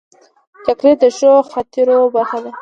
چاکلېټ د ښو خاطرو برخه ده.